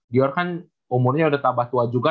dior kan umurnya udah tambah tua juga